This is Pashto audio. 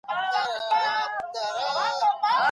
د سرطان مخنیوي ستراتیژي باید عملي شي.